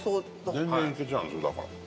全然いけちゃうんですよだから。